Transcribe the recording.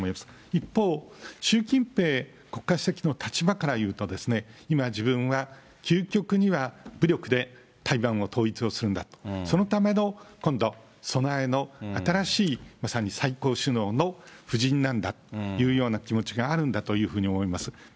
一方、習近平国家主席の立場から言うと、今、自分は究極には武力で台湾を統一するんだと、そのための今度、備えの、新しい、まさに最高首脳の布陣なんだというような気持ちがあるんだというふうに思います。